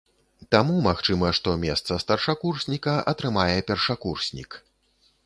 Таму магчыма, што месца старшакурсніка атрымае першакурснік.